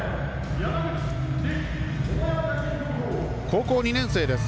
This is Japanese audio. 高校２年生です。